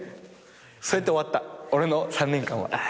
そうやって終わった俺の３年間は。